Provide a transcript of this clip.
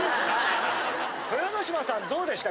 豊ノ島さんどうでした？